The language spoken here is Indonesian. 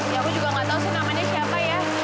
ya aku juga gak tau sih namanya siapa ya